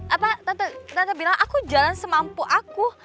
apa tante bilang aku jalan semampu aku